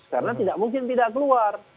karena tidak mungkin tidak keluar